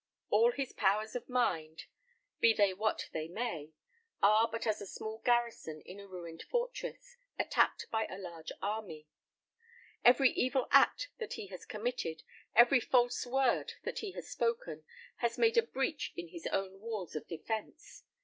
All his powers of mind, be they what they may, are but as a small garrison in a ruined fortress, attacked by a large army. Every evil act that he has committed, every false word that he has spoken, has made a breach in his own walls of defence.